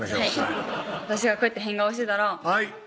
私がこうやって変顔してたらはい！